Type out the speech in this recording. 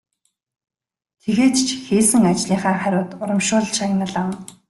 Тэгээд ч хийсэн ажлынхаа хариуд урамшуулал шагнал авна.